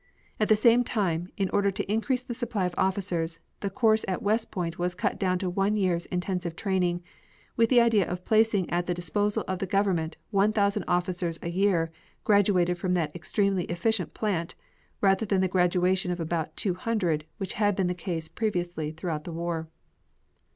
At the same time, in order to increase the supply of officers, the course at West Point was cut down to one year's intensive training, with the idea of placing at the disposal of the government 1,000 officers a year graduated from that extremely efficient plant rather than the graduation of about 200, which had been the case previously throughout the war.